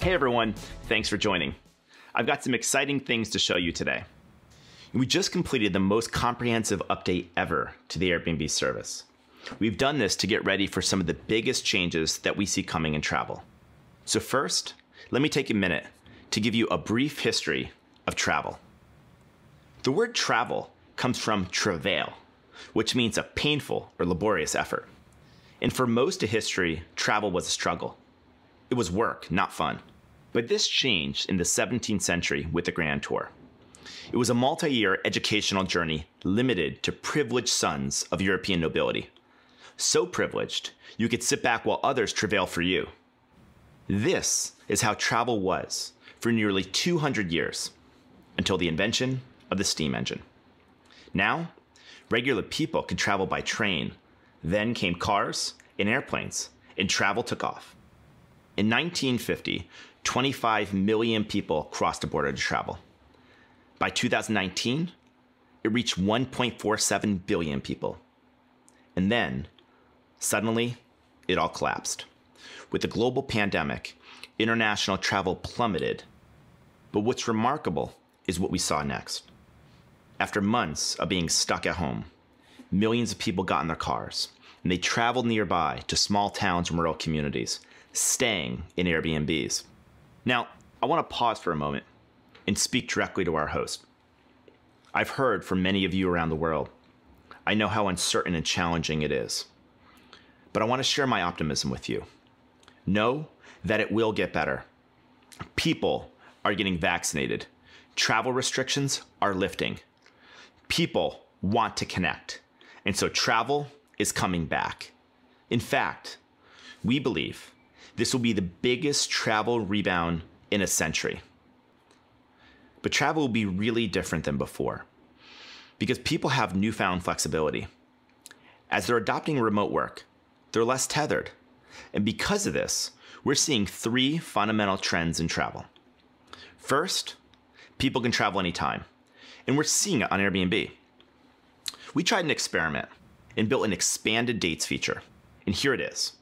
Hey everyone, thanks for joining. I've got some exciting things to show you today. We just completed the most comprehensive update ever to the Airbnb service. We've done this to get ready for some of the biggest changes that we see coming in travel. First, let me take a minute to give you a brief history of travel. The word travel comes from travail, which means a painful or laborious effort. For most of history, travel was a struggle. It was work, not fun. This changed in the 17th century with the Grand Tour. It was a multi-year educational journey, limited to privileged sons of European nobility. Privileged, you could sit back while others travail for you. This is how travel was for nearly 200 years, until the invention of the steam engine. Regular people could travel by train. Came cars and airplanes, and travel took off. In 1950, 25 million people crossed a border to travel. By 2019, it reached 1.47 billion people. Suddenly, it all collapsed. With the global pandemic, international travel plummeted. What's remarkable is what we saw next. After months of being stuck at home, millions of people got in their cars, and they traveled nearby to small towns and rural communities, staying in Airbnb. Now, I want to pause for a moment and speak directly to our hosts. I've heard from many of you around the world. I know how uncertain and challenging it is. I want to share my optimism with you. Know that it will get better. People are getting vaccinated. Travel restrictions are lifting. People want to connect, travel is coming back. In fact, we believe this will be the biggest travel rebound in a century. Travel will be really different than before because people have newfound flexibility. As they're adopting remote work, they're less tethered. Because of this, we're seeing three fundamental trends in travel. First, people can travel anytime, and we're seeing it on Airbnb. We tried an experiment and built an expanded dates feature, and here it is.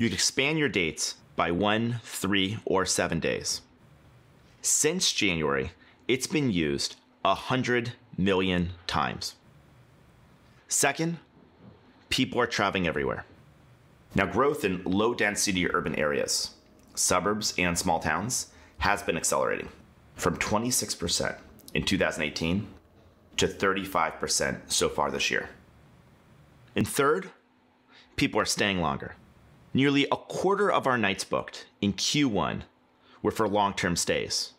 You expand your dates by one, three, or seven days. Since January, it's been used 100 million times. Second, people are traveling everywhere. Now, growth in low-density urban areas, suburbs, and small towns has been accelerating from 26% in 2018 to 35% so far this year. Third, people are staying longer. Nearly 1/4 of our nights booked in Q1 were for long-term stays,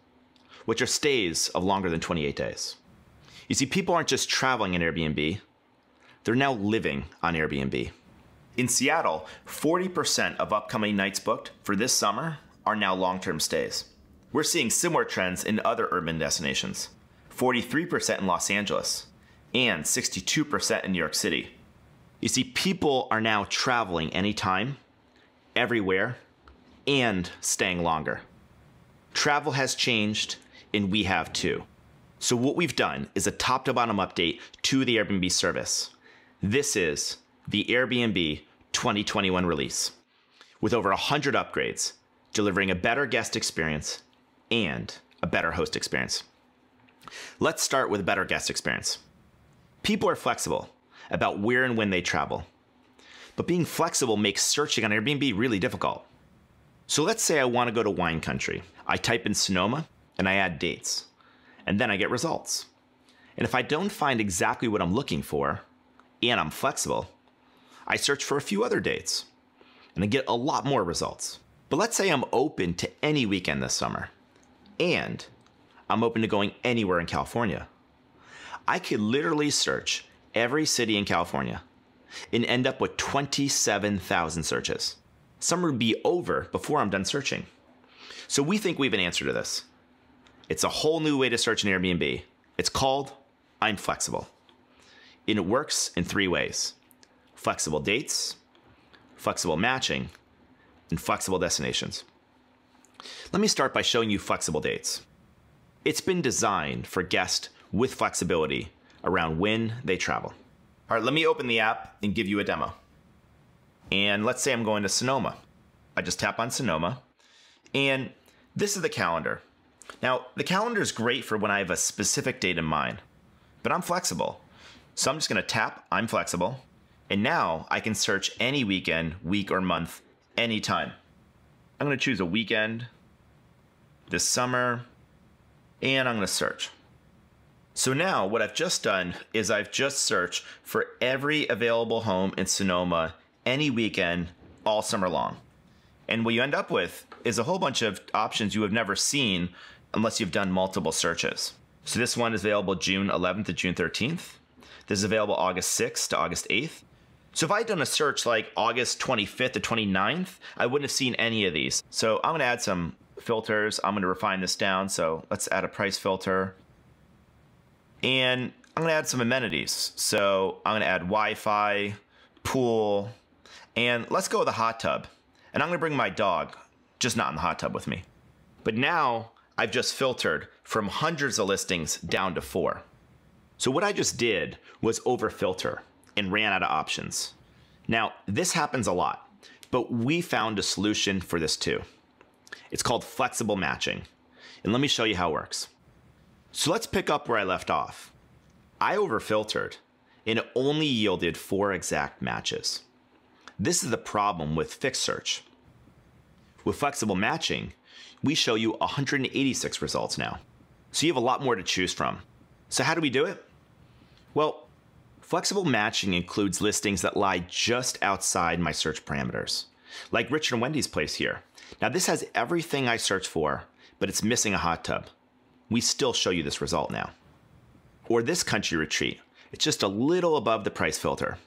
which are stays of longer than 28 days. You see, people aren't just traveling on Airbnb, they're now living on Airbnb. In Seattle, 40% of upcoming nights booked for this summer are now long-term stays. We're seeing similar trends in other urban destinations, 43% in Los Angeles and 62% in New York City. You see, people are now traveling anytime, everywhere, and staying longer. Travel has changed, and we have, too. What we've done is a top-to-bottom update to the Airbnb service. This is the Airbnb 2021 Release. With over 100 upgrades, delivering a better guest experience and a better host experience. Let's start with a better guest experience. People are flexible about where and when they travel, but being flexible makes searching on Airbnb really difficult. Let's say I want to go to wine country. I type in Sonoma, and I add dates, and then I get results. If I don't find exactly what I'm looking for, and I'm flexible, I search for a few other dates, and I get a lot more results. Let's say I'm open to any weekend this summer, and I'm open to going anywhere in California. I could literally search every city in California and end up with 27,000 searches. Summer would be over before I'm done searching. We think we have an answer to this. It's a whole new way to search on Airbnb. It's called I'm Flexible, and it works in three ways, Flexible Dates, Flexible Matching, and Flexible Destinations. Let me start by showing you Flexible Dates. It's been designed for guests with flexibility around when they travel. All right, let me open the app and give you a demo. Let's say I'm going to Sonoma. I just tap on Sonoma, and this is the calendar. The calendar's great for when I have a specific date in mind, but I'm Flexible. I'm just going to tap I'm Flexible, and now I can search any weekend, week, or month anytime. I'm going to choose a weekend this summer, and I'm going to search. Now, what I've just done is I've just searched for every available home in Sonoma any weekend, all summer long. What you end up with is a whole bunch of options you have never seen unless you've done multiple searches. This one is available June 11th to June 13th. This is available August 6th to August 8th. If I had done a search like August 25th-29th, I wouldn't have seen any of these. I'm going to add some filters. I'm going to refine this down. Let's add a price filter. I'm going to add some amenities. I'm going to add WiFi, pool, and let's go with a hot tub. I'm going to bring my dog, just not in the hot tub with me. Now, I've just filtered from hundreds of listings down to four. What I just did was over-filter and ran out of options. Now, this happens a lot, but we found a solution for this, too. It's called Flexible Matching, and let me show you how it works. Let's pick up where I left off. I over-filtered, and it only yielded four exact matches. This is the problem with fixed search. With Flexible Matching, we show you 186 results now. You have a lot more to choose from. How do we do it? Flexible Matching includes listings that lie just outside my search parameters, like Richard and Wendy's place here. This has everything I searched for, but it's missing a hot tub. We still show you this result now. This country retreat. It's just a little above the price filter.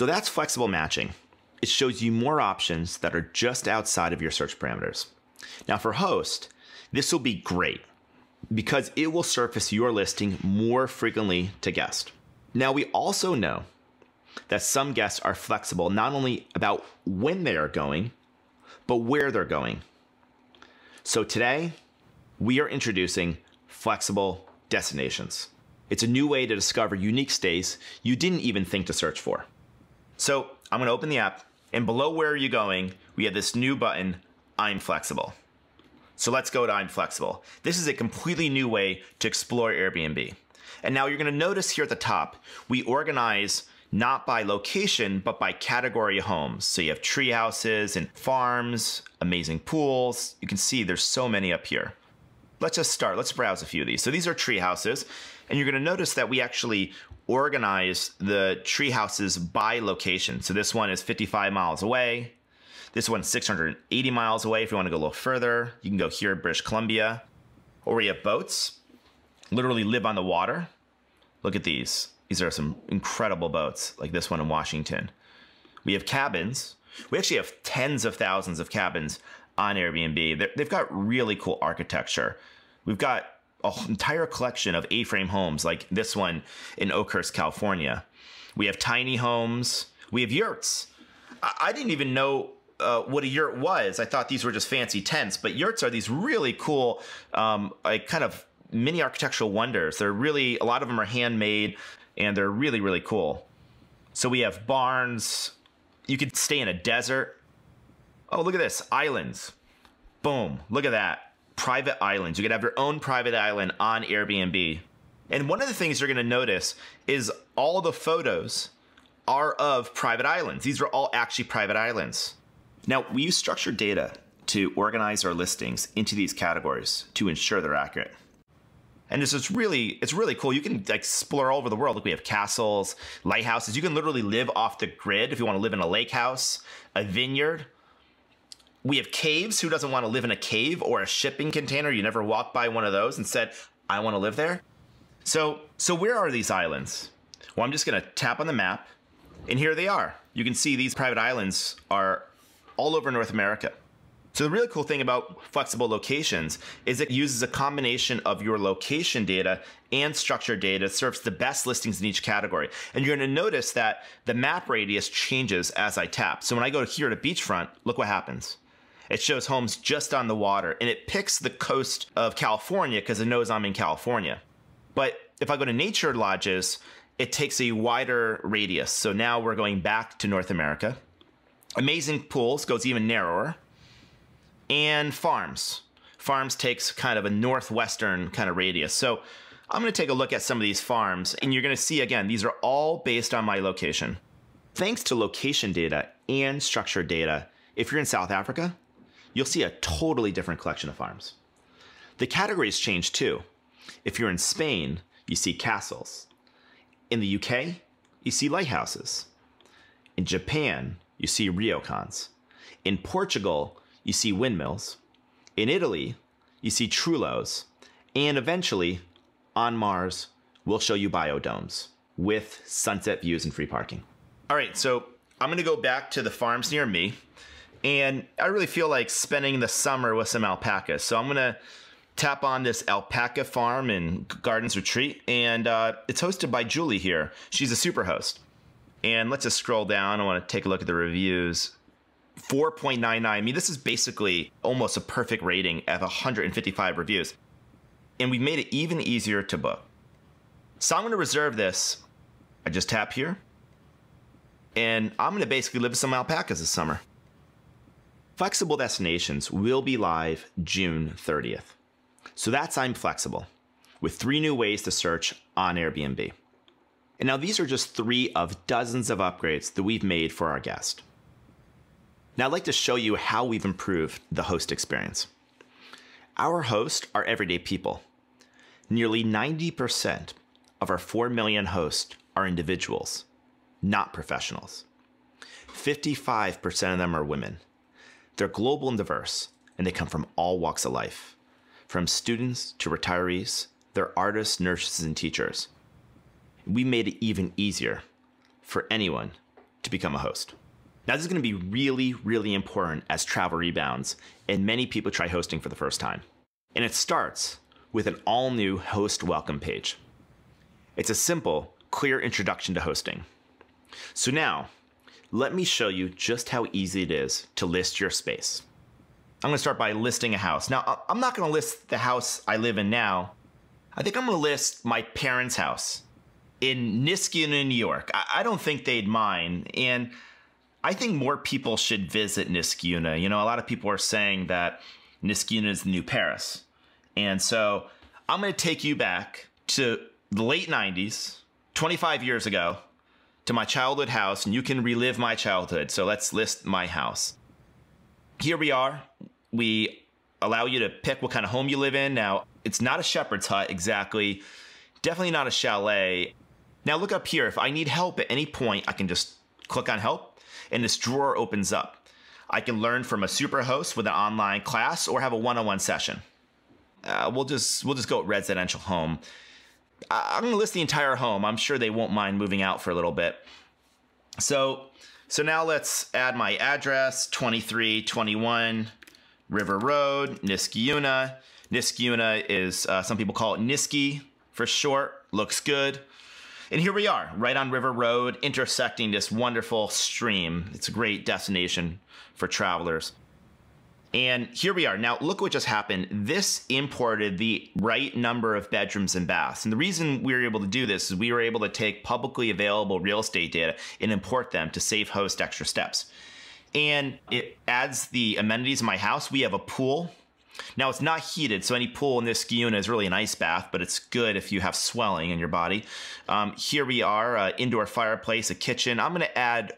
That's Flexible Matching. It shows you more options that are just outside of your search parameters. For hosts, this will be great because it will surface your listing more frequently to guests. We also know that some guests are flexible not only about when they are going, but where they're going. Today, we are introducing Flexible Destinations. It's a new way to discover unique stays you didn't even think to search for. I'm going to open the app, and below where are you going, we have this new button, I'm Flexible. Let's go to I'm Flexible. This is a completely new way to explore Airbnb. Now you're going to notice here at the top, we organize not by location, but by category of homes. You have treehouses and farms, amazing pools. You can see there's so many up here. Let's just start. Let's browse a few of these. These are treehouses, and you're going to notice that we actually organize the treehouses by location. This one is 55 mi away. This one's 680 mi away. If you want to go a little further, you can go here to British Columbia. We have boats. Literally live on the water. Look at these. These are some incredible boats, like this one in Washington. We have cabins. We actually have tens of thousands of cabins on Airbnb. They've got really cool architecture. We've got an entire collection of A-frame homes like this one in Oakhurst, California. We have tiny homes. We have yurts. I didn't even know what a yurt was. I thought these were just fancy tents, but yurts are these really cool kind of mini architectural wonders. A lot of them are handmade, and they're really, really cool. We have barns. You could stay in a desert. Oh, look at this. Islands. Boom. Look at that. Private islands. You could have your own private island on Airbnb. One of the things you're going to notice is all the photos are of private islands. These are all actually private islands. Now, we use structured data to organize our listings into these categories to ensure they're accurate. It's really cool. You can explore all over the world. Look, we have castles, lighthouses. You can literally live off the grid if you want to live in a lake house, a vineyard. We have caves. Who doesn't want to live in a cave or a shipping container? You never walked by one of those and said, "I want to live there"? Where are these islands? Well, I'm just going to tap on the map, and here they are. You can see these private islands are all over North America. The really cool thing about flexible locations is it uses a combination of your location data and structured data to surface the best listings in each category. And you're going to notice that the map radius changes as I tap. When I go here to beachfront, look what happens. It shows homes just on the water, and it picks the coast of California because it knows I'm in California. But if I go to nature lodges, it takes a wider radius. Now we're going back to North America. Amazing pools goes even narrower. Farms. Farms takes kind of a northwestern kind of radius. I'm going to take a look at some of these farms, and you're going to see, again, these are all based on my location. Thanks to location data and structured data, if you're in South Africa, you'll see a totally different collection of farms. The categories change, too. If you're in Spain, you see castles. In the U.K., you see lighthouses. In Japan, you see ryokans. In Portugal, you see windmills. In Italy, you see trullos, and eventually, on Mars, we'll show you biodomes with sunset views and free parking. I'm going to go back to the farms near me, and I really feel like spending the summer with some alpacas. I'm going to tap on this Alpaca Farm and Gardens Retreat, and it's hosted by Julie here. She's a Superhost. Let's just scroll down. I want to take a look at the reviews. 4.99. I mean, this is basically almost a perfect rating out of 155 reviews. We've made it even easier to book. I'm going to reserve this. I just tap here, and I'm going to basically live with some alpacas this summer. Flexible Destinations will be live June 30th. That's I'm Flexible with three new ways to search on Airbnb. Now these are just three of dozens of upgrades that we've made for our guests. Now I'd like to show you how we've improved the host experience. Our hosts are everyday people. Nearly 90% of our 4 million hosts are individuals, not professionals. 55% of them are women. They're global and diverse, and they come from all walks of life, from students to retirees. They're artists, nurses, and teachers. We made it even easier for anyone to become a host. That is going to be really, really important as travel rebounds and many people try hosting for the first time. It starts with an all-new host welcome page. It's a simple, clear introduction to hosting. Now, let me show you just how easy it is to list your space. I'm going to start by listing a house. Now, I'm not going to list the house I live in now. I think I'm going to list my parents' house in Niskayuna, New York. I don't think they'd mind, and I think more people should visit Niskayuna. A lot of people are saying that Niskayuna is the new Paris. I'm going to take you back to the late 1990s, 25 years ago, to my childhood house, and you can relive my childhood. Let's list my house. Here we are. We allow you to pick what kind of home you live in. Now, it's not a shepherd's hut exactly, definitely not a chalet. Now look up here. If I need help at any point, I can just click on Help, and this drawer opens up. I can learn from a Superhost with an online class or have a one-on-one session. We'll just go with residential home. I'm going to list the entire home. I'm sure they won't mind moving out for a little bit. Now let's add my address, 2321 River Road, Niskayuna. Niskayuna is, some people call it Nisky for short. Looks good. Here we are, right on River Road, intersecting this wonderful stream. It's a great destination for travelers. Here we are. Now look what just happened. This imported the right number of bedrooms and baths. The reason we were able to do this is we were able to take publicly available real estate data and import them to save hosts extra steps. It adds the amenities of my house. We have a pool. It's not heated, so any pool in Niskayuna is really a nice bath, but it's good if you have swelling in your body. Here we are. Indoor fireplace, a kitchen. I'm going to add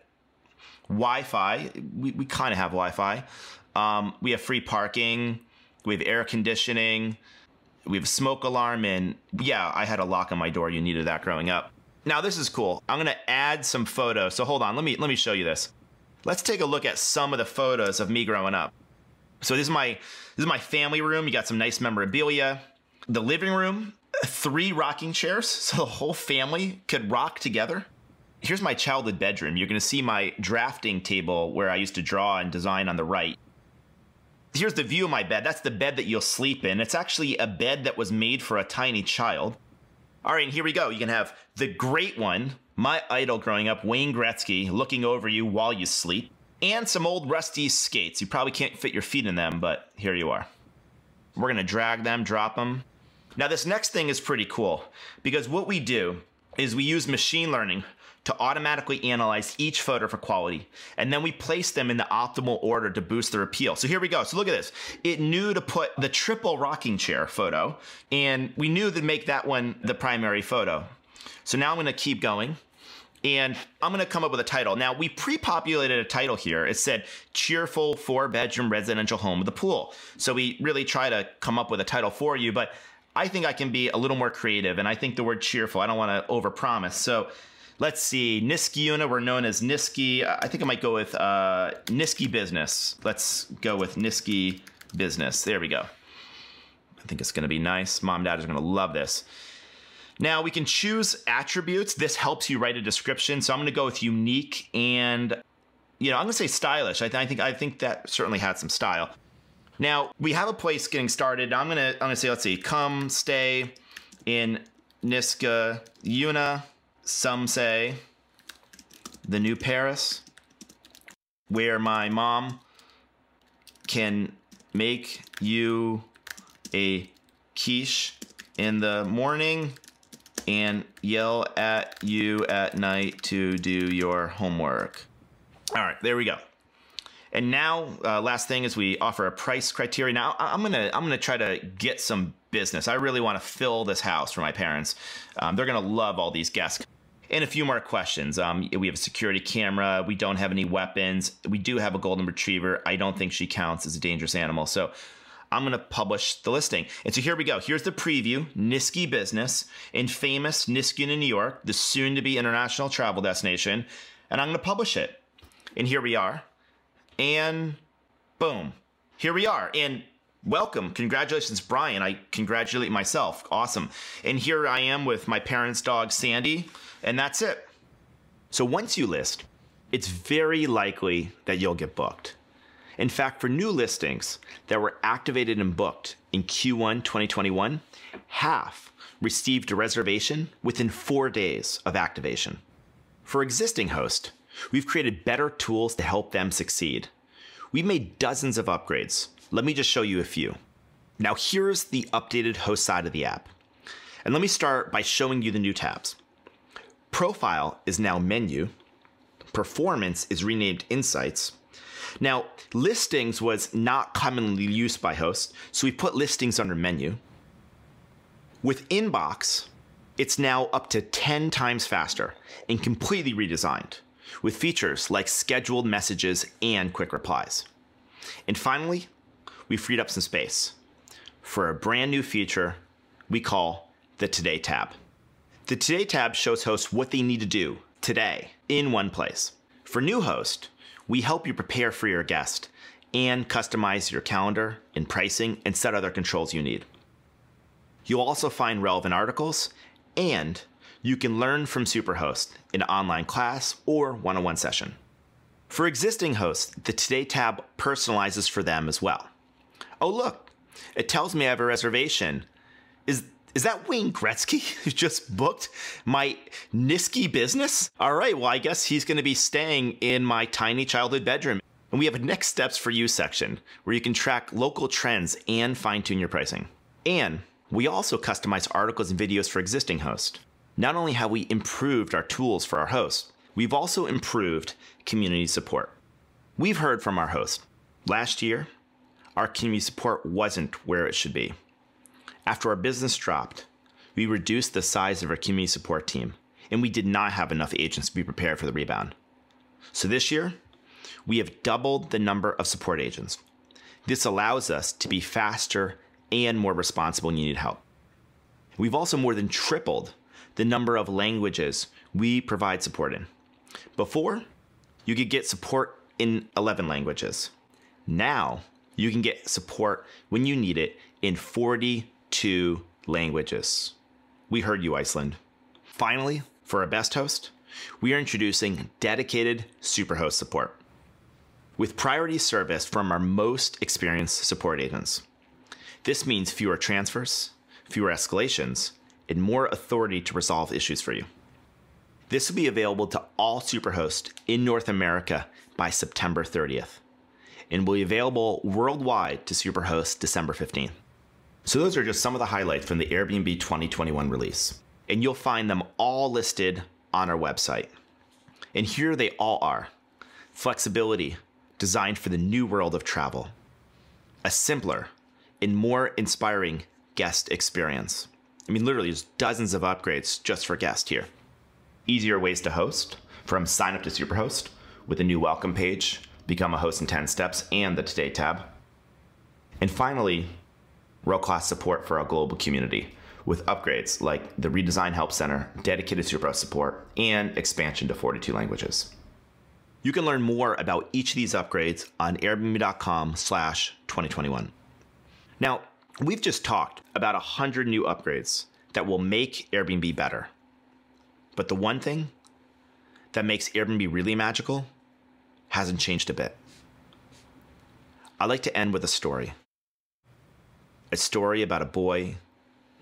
WiFi. We kind of have WiFi. We have free parking. We have air conditioning. We have a smoke alarm. Yeah, I had a lock on my door. You needed that growing up. This is cool. I'm going to add some photos. Hold on. Let me show you this. Let's take a look at some of the photos of me growing up. This is my family room. You got some nice memorabilia. The living room, three rocking chairs so the whole family could rock together. Here's my childhood bedroom. You're going to see my drafting table, where I used to draw and design, on the right. Here's the view of my bed. That's the bed that you'll sleep in. It's actually a bed that was made for a tiny child. All right, here we go. You can have the great one, my idol growing up, Wayne Gretzky, looking over you while you sleep. Some old rusty skates. You probably can't fit your feet in them, but here you are. We're going to drag them, drop them. This next thing is pretty cool because what we do is we use machine learning to automatically analyze each photo for quality, and then we place them in the optimal order to boost their appeal. Here we go. Look at this. It knew to put the triple rocking chair photo, we knew to make that one the primary photo. Now I'm going to keep going, I'm going to come up with a title. Now, we pre-populated a title here. It said, "Cheerful four-bedroom residential home with a pool." We really try to come up with a title for you, I think I can be a little more creative, I think the word cheerful, I don't want to overpromise. Let's see. Niskayuna, we're known as Nisky. I think I might go with Nisky Business. Let's go with Nisky Business. There we go. I think it's going to be nice. Mom and Dad are going to love this. Now we can choose attributes. This helps you write a description. I'm going to go with unique, yeah, I'm going to say stylish. I think that certainly has some style. We have a place getting started. "Come stay in Niskayuna, some say the new Paris, where my mom can make you a quiche in the morning and yell at you at night to do your homework." All right. There we go. Last thing is we offer a price criteria. I'm going to try to get some business. I really want to fill this house for my parents. They're going to love all these guests. A few more questions. We have a security camera. We don't have any weapons. We do have a golden retriever. I don't think she counts as a dangerous animal. I'm going to publish the listing. Here we go. Here's the preview, Nisky Business in famous Niskayuna, New York, the soon-to-be international travel destination. I'm going to publish it. Here we are. Boom. Here we are. Welcome. Congratulations, Brian. I congratulate myself. Awesome. Here I am with my parents' dog, Sandy. That's it. Once you list, it's very likely that you'll get booked. In fact, for new listings that were activated and booked in Q1 2021, half received a reservation within four days of activation. For existing hosts, we've created better tools to help them succeed. We made dozens of upgrades. Let me just show you a few. Here's the updated host side of the app. Let me start by showing you the new tabs. Profile is now Menu. Performance is renamed Insights. Listings was not commonly used by hosts, so we put Listings under Menu. With Inbox, it's now up to 10 times faster and completely redesigned, with features like scheduled messages and quick replies. Finally, we freed up some space for a brand-new feature we call the Today tab. The Today tab shows hosts what they need to do today in one place. For new hosts, we help you prepare for your guest and customize your calendar and pricing and set other controls you need. You'll also find relevant articles, and you can learn from Superhosts in an online class or one-on-one session. For existing hosts, the Today tab personalizes for them as well. Oh, look, it tells me I have a reservation. Is that Wayne Gretzky who just booked my Nisky Business? All right. Well, I guess he's going to be staying in my tiny childhood bedroom. We have a next steps for you section where you can track local trends and fine-tune your pricing. We also customize articles and videos for existing hosts. Not only have we improved our tools for our hosts, we've also improved community support. We've heard from our hosts. Last year, our community support wasn't where it should be. After our business dropped, we reduced the size of our community support team, and we did not have enough agents to be prepared for the rebound. This year, we have doubled the number of support agents. This allows us to be faster and more responsible when you need help. We've also more than tripled the number of languages we provide support in. Before, you could get support in 11 languages. Now, you can get support when you need it in 42 languages. We heard you, Iceland. Finally, for our best hosts, we are introducing Dedicated Superhost support with priority service from our most experienced support agents. This means fewer transfers, fewer escalations, and more authority to resolve issues for you. This will be available to all Superhosts in North America by September 30th and will be available worldwide to Superhosts December 15th. Those are just some of the highlights from the Airbnb 2021 Release, and you'll find them all listed on our website. Here they all are. Flexibility designed for the new world of travel. A simpler and more inspiring guest experience. Literally, there's dozens of upgrades just for guests here. Easier ways to host from sign-up to Superhost with a new welcome page, become a host in 10 steps, and the Today tab. Finally, world-class support for our global community with upgrades like the redesigned help center, dedicated Superhost support, and expansion to 42 languages. You can learn more about each of these upgrades on airbnb.com/2021. We've just talked about 100 new upgrades that will make Airbnb better. The one thing that makes Airbnb really magical hasn't changed a bit. I'd like to end with a story, a story about a boy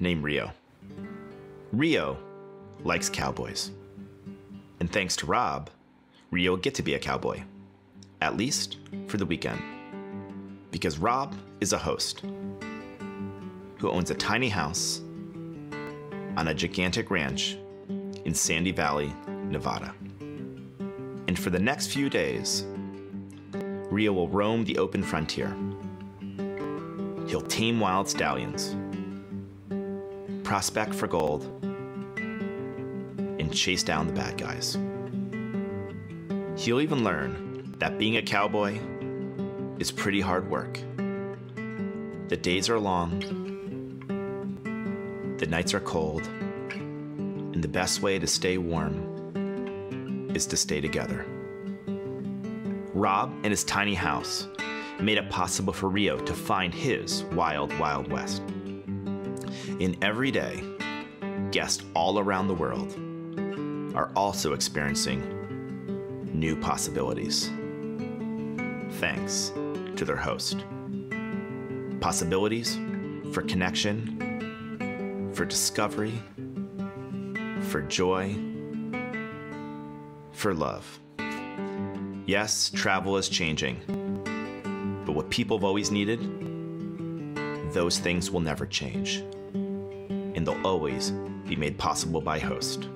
named Rio. Rio likes cowboys. Thanks to Rob, Rio will get to be a cowboy, at least for the weekend. Rob is a host who owns a tiny house on a gigantic ranch in Sandy Valley, Nevada. For the next few days, Rio will roam the open frontier. He'll tame wild stallions, prospect for gold, and chase down the bad guys. He'll even learn that being a cowboy is pretty hard work. The days are long, the nights are cold, and the best way to stay warm is to stay together. Rob and his tiny house made it possible for Rio to find his Wild Wild West. Every day, guests all around the world are also experiencing new possibilities thanks to their host. Possibilities for connection, for discovery, for joy, for love. Yes, travel is changing. What people have always needed, those things will never change. They'll always be made possible by hosts.